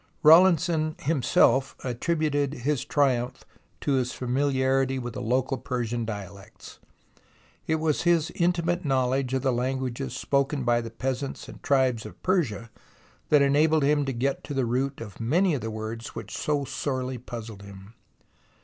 Rawlinson himself attributed his triumph to his familiarity with the local Persian dialects ; it was his intimate knowledge of the languages spoken by the peasants and tribes of Persia that enabled him to get to the root of many of the words which so sorely puzzled him.